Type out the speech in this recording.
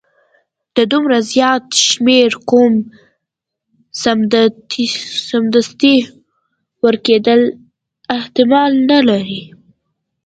د دومره زیات شمیر قوم سمدستي ورکیدل احتمال نه لري.